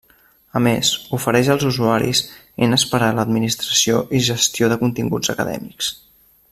A més, ofereix als usuaris eines per a l’administració i gestió de continguts acadèmics.